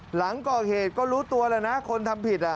หลังก่อเหตุก็รู้ตัวแล้วนะคนทำผิด